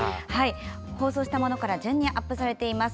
放送したものから順にアップされています。